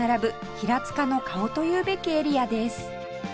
平塚の顔というべきエリアです